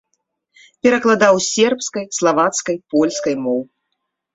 Перакладаў з сербскай, славацкай, польскай моў.